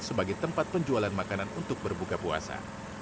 sebagai tempat penjualan makanan untuk berbuka puasa